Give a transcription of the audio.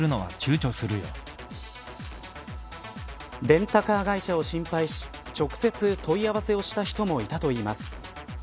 レンタカー会社を心配し直接問い合わせをした人もいたといいます